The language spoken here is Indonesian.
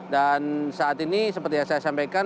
dan saat ini seperti yang saya sampaikan